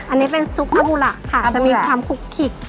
อันนี้เป็นซุปเปอร์บูระค่ะจะมีความคลุกขิก